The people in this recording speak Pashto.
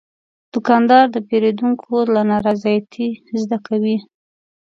دوکاندار د پیرودونکو له نارضایتۍ زده کوي.